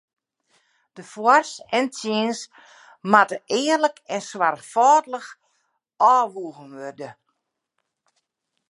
De foars en tsjins moatte earlik en soarchfâldich ôfwoegen wurde.